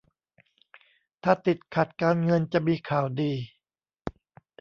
ถ้าติดขัดการเงินจะมีข่าวดี